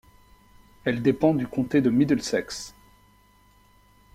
Elle dépend du comté de Middlesex.